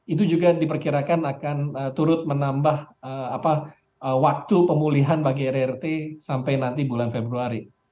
itu juga diperkirakan akan turut menambah waktu pemulihan bagi rrt sampai nanti bulan februari